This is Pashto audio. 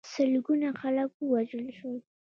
سلګونه خلک ووژل شول.